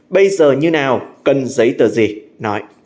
bây giờ như nào cần giấy tờ gì nói